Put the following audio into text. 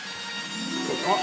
あっ。